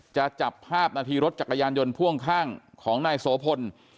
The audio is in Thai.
จับภาพนาทีรถจักรยานยนต์พ่วงข้างของนายโสพล